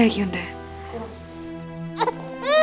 tunggu masih daripada tempat bumi